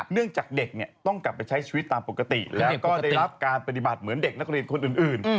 เนื่องจากเด็กเนี่ยต้องกลับไปใช้ชีวิตตามปกติแล้วก็ได้รับการปฏิบัติเหมือนเด็กนักเรียนคนอื่น